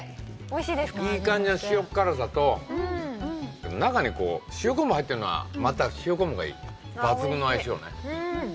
いい感じの塩辛さと中にこう塩昆布入ってるのはまた塩昆布がいい抜群の相性ね。